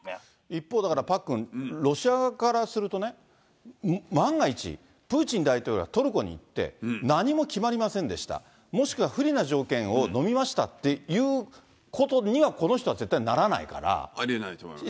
一方、だからパックン、ロシア側からするとね、万が一、プーチン大統領がトルコに行って、何も決まりませんでした、もしくは不利な条件をのみましたっていうことには、ありえないと思います。